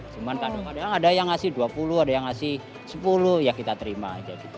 cuman kadang kadang ada yang ngasih dua puluh ada yang ngasih sepuluh ya kita terima aja gitu